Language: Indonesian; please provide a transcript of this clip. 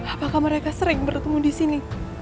apakah mereka sering bertemu disini